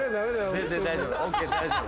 全然大丈夫。